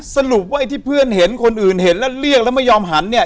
สรุปว่าไอ้ที่เพื่อนเห็นคนอื่นเห็นแล้วเรียกแล้วไม่ยอมหันเนี่ย